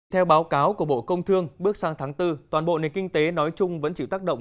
theo báo cáo của bộ công thương bước sang tháng bốn toàn bộ nền kinh tế nói chung vẫn chịu tác động